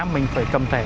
mình phải cầm thẻ